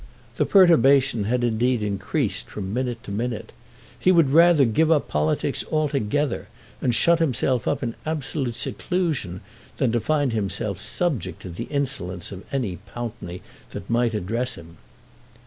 The perturbation had indeed increased from minute to minute. He would rather give up politics altogether and shut himself up in absolute seclusion than find himself subject to the insolence of any Pountney that might address him.